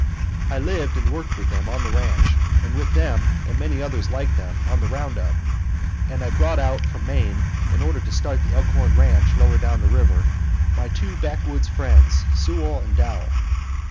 I lived and worked with them on the ranch, and with them and many others like them on the round up; and I brought out from Maine, in order to start the Elkhorn ranch lower down the river, my two backwoods friends Sewall and Dow.